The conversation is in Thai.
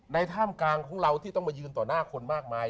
ท่ามกลางของเราที่ต้องมายืนต่อหน้าคนมากมาย